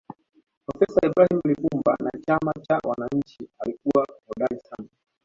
profesa ibrahim lipumba wa chama cha wananchi alikuwa hodari sana